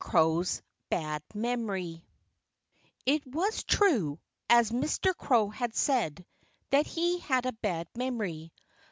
CROW'S BAD MEMORY It was true, as Mr. Crow had said, that he had a bad memory.